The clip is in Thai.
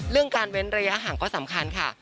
การเว้นระยะห่างก็สำคัญค่ะ